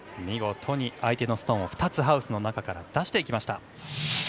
見事に相手のストーンを２つハウスの中から出しました。